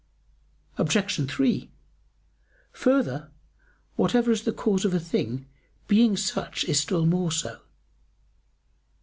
Obj. 3: Further, "whatever is the cause of a thing being such is still more so."